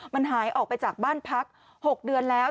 มันหายออกไปจากบ้านพัก๖เดือนแล้ว